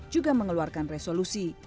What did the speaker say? juga mengeluarkan resolusi